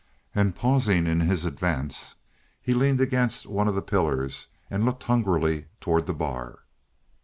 And pausing in his advance, he leaned against one of the pillars and looked hungrily toward the bar.